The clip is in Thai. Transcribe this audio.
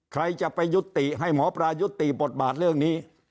ใครจะไปยุติให้หมอปลายุติบทบาทเรื่องนี้